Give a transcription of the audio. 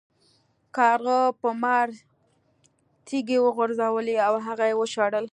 کارغه په مار تیږې وغورځولې او هغه یې وشړل.